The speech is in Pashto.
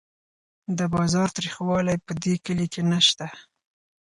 د بازار تریخوالی په دې کلي کې نشته.